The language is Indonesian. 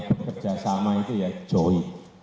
bekerjasama itu ya joy